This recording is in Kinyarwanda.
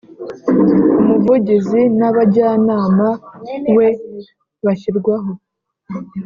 Umuvugizi n abajyanama we bashyirwaho